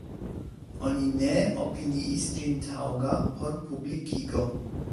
Oni ne opiniis ĝin taŭga por publikigo.